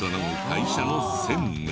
会社の専務。